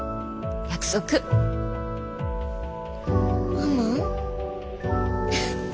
ママ？